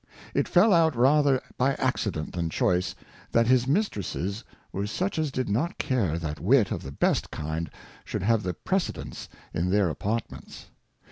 It fell out rather by Accident than Choice, that his Mistresses were such as did not care that Wit of the best kind should have the Precedence in their Apartments.